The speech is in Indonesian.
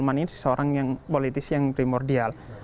sedangkan raja salman ini seorang politikus yang primordial